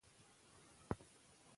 وهم د انسان اراده کمزورې کوي.